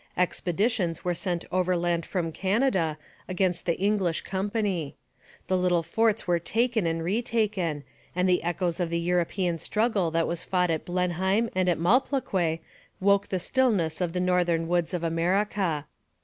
Expeditions were sent overland from Canada against the English company. The little forts were taken and retaken, and the echoes of the European struggle that was fought at Blenheim and at Malplaquet woke the stillness of the northern woods of America.